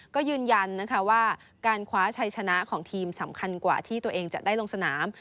ก็ยืนยันนะคะว่าการคว้าชัยชนะของทีมสำคัญกว่าที่ตัวเองจะได้ลงสนาม